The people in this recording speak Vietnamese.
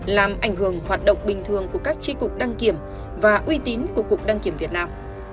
làm ảnh hưởng hoạt động bình thường của các tri cục đăng kiểm và uy tín của cục đăng kiểm việt nam